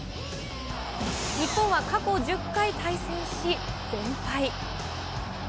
日本は過去１０回対戦し、全敗。